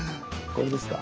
これですか？